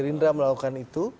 pan juga melakukan itu